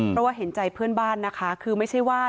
เพราะว่าเห็นใจเพื่อนบ้านนะคะคือไม่ใช่ว่า